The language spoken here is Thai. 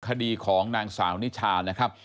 คดีของนางสาวนิชานะครับ